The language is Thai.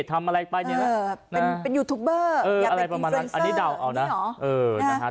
ทำอะไรไปเป็นยูทูปเบอร์อย่าเป็นอันนี้เดาเอานะเออนะฮะ